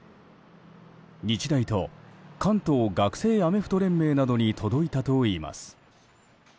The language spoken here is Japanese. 日大と関東学生アメフト連盟などに届いたといいます。